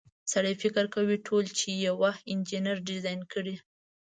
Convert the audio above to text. سړی فکر کوي ټول چې یوه انجنیر ډیزاین کړي.